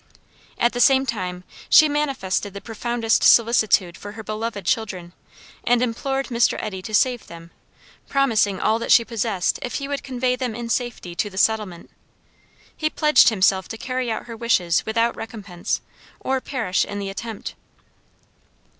At the same time she manifested the profoundest solicitude for her beloved children, and implored Mr. Eddy to save them, promising all that she possessed if he would convey them in safety to the settlement. He pledged himself to carry out her wishes without recompense, or perish in the attempt.